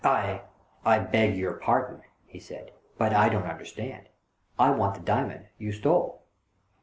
"I — I beg your pardon," he said, "but I don't understand. I want the diamond you stole."